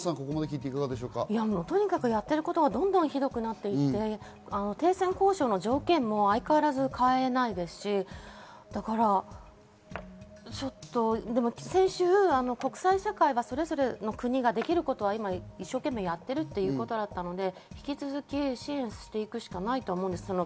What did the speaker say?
とにかくやっていることはどんどんひどくなっていて、停戦交渉の条件も相変わらず変えないですし、ちょっとでも先週、国際社会はそれぞれの国ができることは今、一生懸命やっているということだったので、引き続き支援していくしかないと思います。